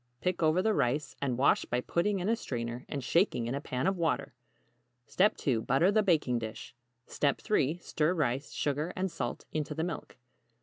Pick over the rice, and wash by putting in a strainer and shaking in a pan of water. 2. Butter the baking dish. 3. Stir rice, sugar and salt into the milk.